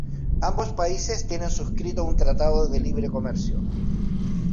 Ambos países tienen suscrito un tratado de libre comercio.